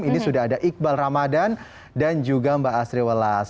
ini sudah ada iqbal ramadan dan juga mbak asri welas